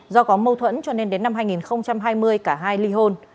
do có mâu thuẫn cho nên đến năm hai nghìn hai mươi cả hai ly hôn